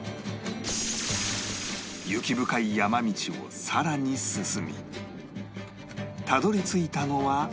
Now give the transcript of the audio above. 雪深い山道を更に進みたどり着いたのは